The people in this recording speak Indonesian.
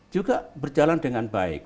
juga berjalan dengan baik